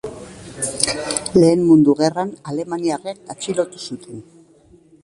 Lehen Mundu Gerran alemaniarrek atxilotu zuten.